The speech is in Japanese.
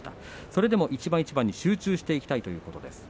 それでも一番一番集中していきたいということです。